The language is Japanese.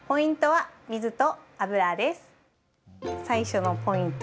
最初のポイント